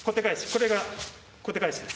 これが小手返しです。